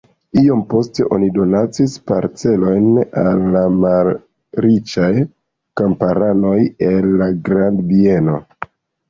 Iom poste oni donacis parcelojn al la malriĉaj kamparanoj el la grandbieno.